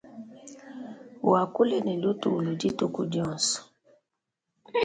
Wakule ne lutulu dituku dionso.